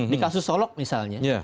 di kasus solok misalnya